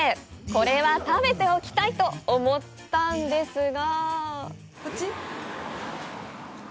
これは食べておきたい！と思ったんですが。